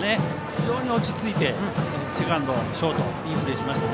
非常に落ち着いてセカンドショート、いいプレーをしました。